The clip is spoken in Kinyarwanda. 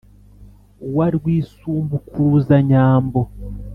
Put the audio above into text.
wa rwisumbukuruzanyambo,